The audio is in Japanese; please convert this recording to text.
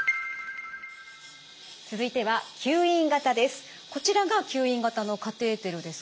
続いては吸引型です。